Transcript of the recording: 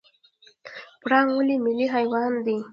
پړانګ ولې ملي حیوان دی؟